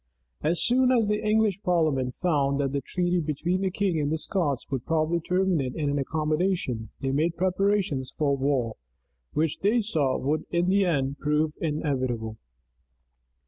As soon as the English parliament found that the treaty between the king and the Scots would probably terminate in an accommodation, they made preparations for a war, which, they saw, would in the end prove inevitable.